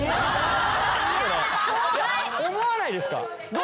思わないですか？